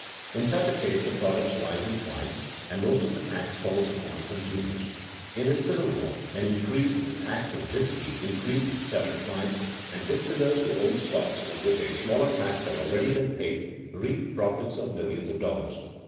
In such a case the products rise in price and most of the tax falls upon the consumers. In the Civil War an increase in the tax on whisky increased its selling price, and distillers who owned stocks on which a smaller tax had already been paid reaped profits of millions of dollars.